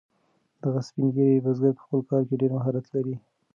دغه سپین ږیری بزګر په خپل کار کې ډیر مهارت لري.